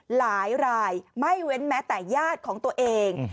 หลายรายไม่เว้นแม้แต่ญาติของตัวเอง